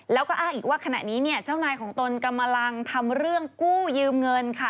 แล้วก็อ้างอีกว่าขณะนี้เนี่ยเจ้านายของตนกำลังทำเรื่องกู้ยืมเงินค่ะ